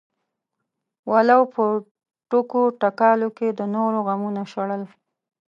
ولو په ټوکو ټکالو کې د نورو غمونه شړل.